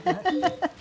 ハハハハ。